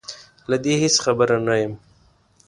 له دې هېڅ خبره نه یم